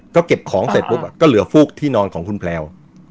ก็เก็บของเสร็จปุ๊บก็เหลือฟูกที่นอนของคุณแพลว